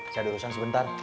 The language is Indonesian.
saya diurusan sebentar